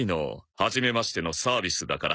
はじめましてのサービスだから。